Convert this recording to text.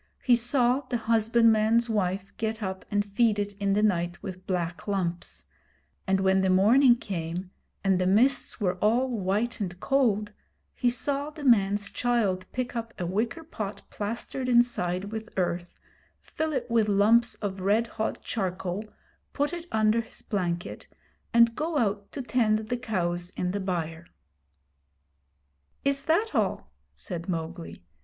He saw the husbandman's wife get up and feed it in the night with black lumps; and when the morning came and the mists were all white and cold, he saw the man's child pick up a wicker pot plastered inside with earth, fill it with lumps of red hot charcoal, put it under his blanket, and go out to tend the cows in the byre. 'Is that all?' said Mowgli.